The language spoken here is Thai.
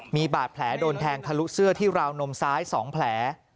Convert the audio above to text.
มีบาดแผลโดนแทงทะลุเสื้อที่ราวนมซ้าย๒แผล